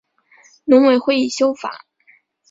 农委会已修法